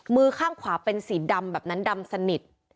มือข้างขวาเป็นสีดำแบบนั้นดำสนิท